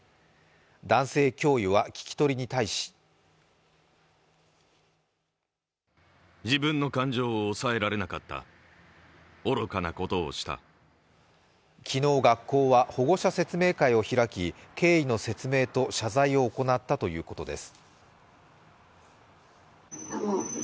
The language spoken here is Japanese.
男性教諭は聞き取りに対し昨日、学校は保護者説明会を開き経緯の説明と謝罪を行ったということです。